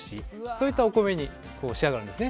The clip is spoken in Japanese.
そういったお米に仕上がるんです。